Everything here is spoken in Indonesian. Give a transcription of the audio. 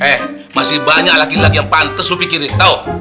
eh masih banyak laki laki yang pantas lufi kiri tau